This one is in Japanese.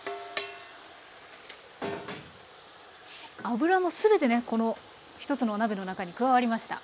脂も全てねこの１つのお鍋の中に加わりました。